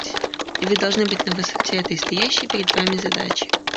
И вы должны быть на высоте этой стоящей перед вами задачи.